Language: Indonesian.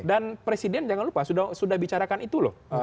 dan presiden jangan lupa sudah bicarakan itu loh